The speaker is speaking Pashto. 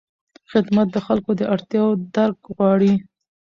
خدمت د خلکو د اړتیاوو درک غواړي.